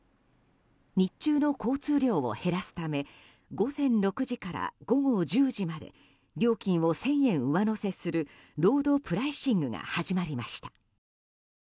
日中の交通量を減らすため午前６時から午後１０時まで料金を１０００円上乗せするロードプライシングが始まりました。